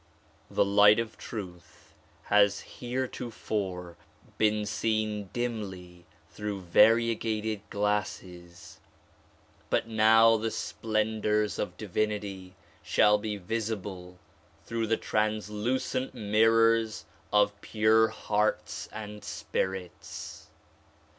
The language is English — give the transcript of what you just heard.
"' The light of truth has heretofore been seen dimly through varie gated glasses, but now the splendors of divinity shall be visible through the translucent mirrors of pure hearts and spirits.